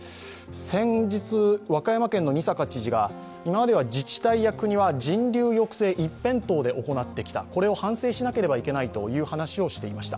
先日和歌山県の仁坂知事が、今までは自治体や国は人流抑制一辺倒で行ってきた、これを反省しなければいけないという話をしていました。